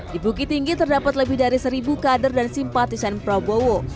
di bukit tinggi terdapat lebih dari seribu kader dan simpatisan prabowo